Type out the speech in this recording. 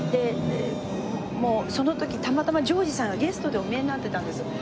その時たまたま譲二さんがゲストでお見えになってたんです。